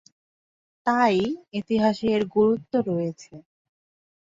তাই ইতিহাসে এর গুরুত্ব রয়েছে।